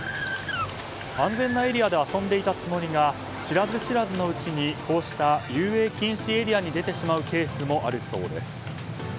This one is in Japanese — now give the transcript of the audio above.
安全なエリアで遊んでいたつもりが知らず知らずのうちにこうした遊泳禁止エリアに出てしまうケースもあるというそうです。